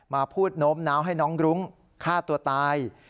พูดโน้มน้าวให้น้องรุ้งฆ่าตัวตาย